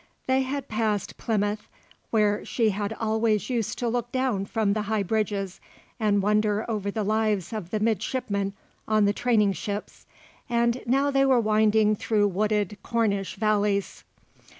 They had passed Plymouth where she had always used to look down from the high bridges and wonder over the lives of the midshipmen on the training ships, and now they were winding through wooded Cornish valleys.